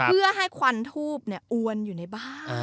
เพื่อให้ควันทูพอวนอยู่ในบ้าน